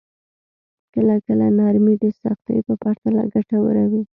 کله کله نرمي د سختۍ په پرتله ګټوره وي.